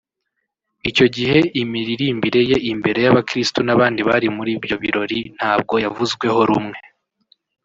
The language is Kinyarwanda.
Icyo gihe imiririmbire ye imbere y'abakristo n'abandi bari muri ibyo birori ntabwo yavuzweho rumwe